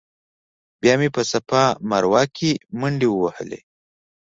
بیا مې په صفا مروه کې منډې ووهلې.